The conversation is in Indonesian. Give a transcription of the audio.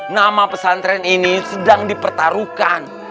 nama pesantren ini sedang dipertaruhkan